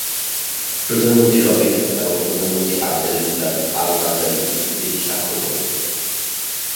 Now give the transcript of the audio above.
প্রধানমন্ত্রী রবিন এবং প্রধানমন্ত্রী আবদেল ইসলাম আল-মাজালি চুক্তিটি স্বাক্ষর করেন।